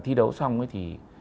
thi đấu xong ấy thì